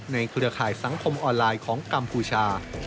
เครือข่ายสังคมออนไลน์ของกัมพูชา